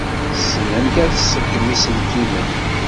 Tessen amek ad tṣeggem iselkimen.